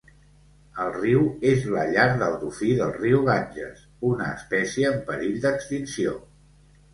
El riu és la llar del dofí del riu Ganges, una espècie en perill d'extinció.